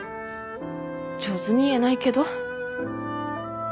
上手に言えないけど。